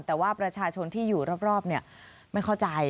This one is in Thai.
แต่ว่าประชาชนที่อยู่รอบไม่เข้าใจ